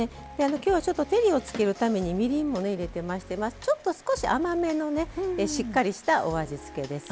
きょうはちょっと照りをつけるためにみりんも入れてましてちょっと、少し甘めのしっかりしたお味付けです。